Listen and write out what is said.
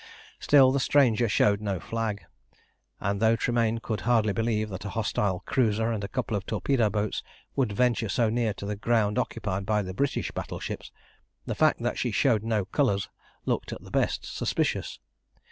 Still the stranger showed no flag, and though Tremayne could hardly believe that a hostile cruiser and a couple of torpedo boats would venture so near to the ground occupied by the British battle ships, the fact that she showed no colours looked at the best suspicious.